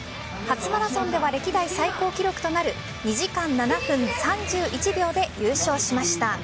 初マラソンでは歴代最高記録となる２時間７分３１秒で優勝しました。